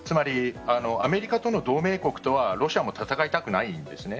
アメリカとの同盟国とはロシアも戦いたくないんです。